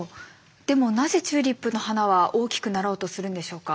でもなぜチューリップの花は大きくなろうとするんでしょうか？